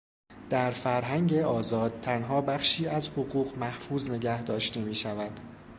در فرهنگ آزاد، تنها بخشی از حقوق محفوظ نگه داشته میشود